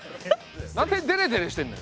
なんでデレデレしてんの？